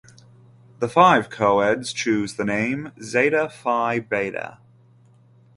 The five coeds chose the name Zeta Phi Beta.